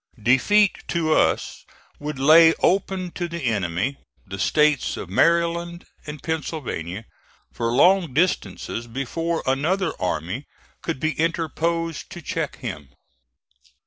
Defeat to us would lay open to the enemy the States of Maryland and Pennsylvania for long distances before another army could be interposed to check him.